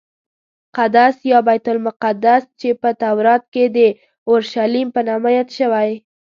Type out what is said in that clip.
قدس یا بیت المقدس چې په تورات کې د اورشلیم په نامه یاد شوی.